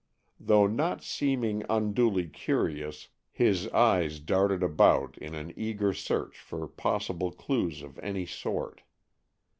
Though not seeming unduly curious, his eyes darted about in an eager search for possible clues of any sort.